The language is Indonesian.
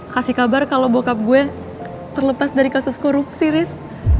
kasih kabar kalau bokap gue terlepas dari kasus korupsi ris